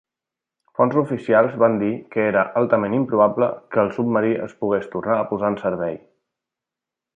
Fonts oficials van dir que era "altament improbable" que el submarí es pogués tornar a posar en servei.